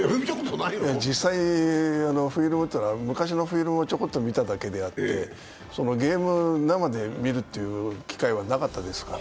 実際昔のフィルムをちょこっと見ただけであって、ゲームを生で見るという機会はなかったですから。